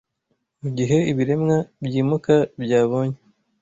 mugihe ibiremwa 'byimuka' byabonye